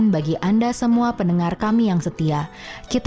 dan sehat secara fisik